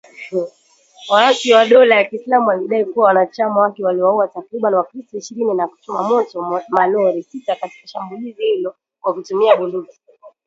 Waasi wa dola ya kiislamu walidai kuwa wanachama wake waliwauwa takribani wakristo ishirini na kuchoma moto malori sita katika shambulizi hilo kwa kutumia bunduki